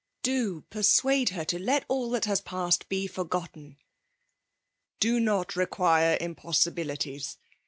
Do penuade her to let all that has passed be forgotten."' " Do not require impossibilities